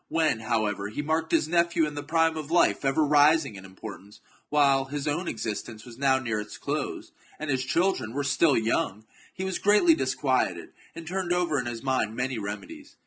When, however, he marked chap. his nephew in the prime of life ever rising in import ance, while his own existence was now near its close, and his children were still young, he was greatly disquieted, and turned over in his mind many reme dies.